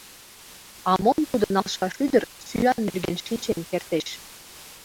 А мом тудо налшаш ӱдыр, сӱан нерген шинчен кертеш?